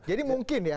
jadi mungkin ya